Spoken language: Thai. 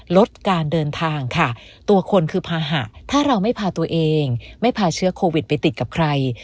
ลดการเดินทางค่ะตัวคนคือภาหะถ้าเราไม่พาตัวเองไม่พาเชื้อโควิดไปติดกับใคร